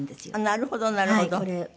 なるほどなるほど。